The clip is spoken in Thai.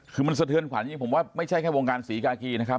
คือมันสะเทือนขวัญจริงผมว่าไม่ใช่แค่วงการศรีกากีนะครับ